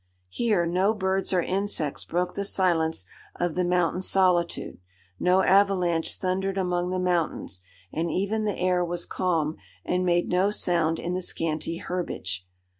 Here no birds or insects broke the silence of the mountain solitude, no avalanche thundered among the mountains, and even the air was calm and made no sound in the scanty herbage.